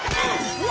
うわ！